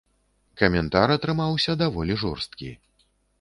Каментар атрымаўся даволі жорсткі.